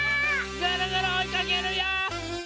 ぐるぐるおいかけるよ！